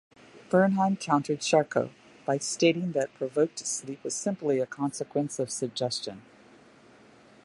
Bernheim countered Charcot, by stating that provoked sleep was simply a consequence of suggestion.